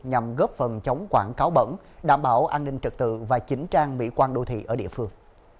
nhằm góp phần chống quảng cáo bẩn đảm bảo an ninh trật tự và chỉnh trang mỹ quan đô thị ở địa phương